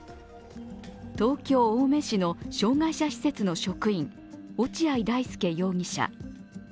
東京・青梅市の障害者施設の職員落合大丞容疑者。